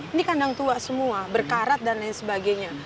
ini kandang tua semua berkarat dan lain sebagainya